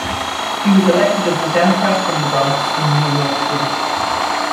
He was elected as a Democrat from The Bronx in New York City.